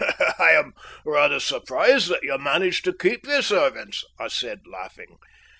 "I am rather surprised that you manage to keep your servants," I said, laughing.